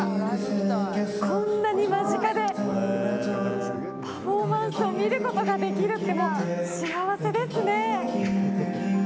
こんなに間近でパフォーマンスを見ることができるって幸せですね。